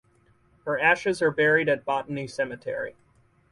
Her ashes are buried at Botany Cemetery.